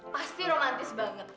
pasti romantis banget